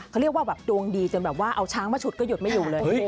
เขาเรียกว่าแบบดวงดีจนแบบว่าเอาช้างมาฉุดก็หยุดไม่อยู่เลย